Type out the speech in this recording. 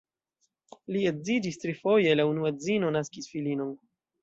Li edziĝis trifoje, la unua edzino naskis filinon.